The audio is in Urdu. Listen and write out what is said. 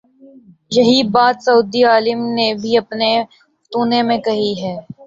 یہی بات سعودی عالم نے بھی اپنے فتوے میں کہی ہے۔